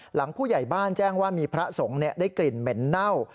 หลังผู้ใหญ่บ้านแจ้งว่ามีพระสงฆ์ได้กลิ่นเหม็นเน่า